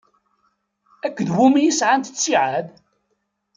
Akked wumi i sɛant ttiɛad?